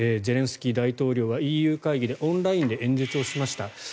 ゼレンスキー大統領はＥＵ会議でオンラインで演説をしました。